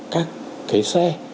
các cái xe